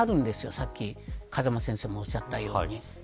さっき風間先生もおっしゃったように。